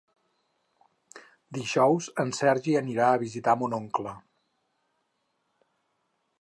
Dijous en Sergi anirà a visitar mon oncle.